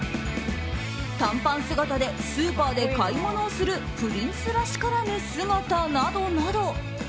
短パン姿でスーパーで買い物をするプリンスらしからぬ姿などなど。